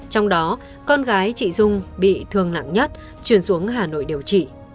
trong đó con gái chị dung bị thương nặng nhất chuyển xuống hà nội điều trị